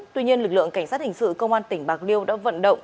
tuy nhiên lực lượng cảnh sát hình sự công an tỉnh bạc liêu đã vận động